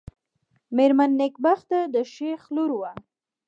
مېرمن نېکبخته د شېخ لور وه.